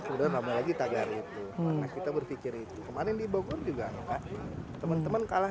sudah namanya lagi tagar itu nah kita berpikir itu kemarin di bogor juga enggak teman teman kalah